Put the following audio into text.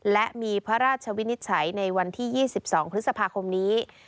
และมีพระราชวินิจฉัยในวันที่๒๒พฤษภาคมนี้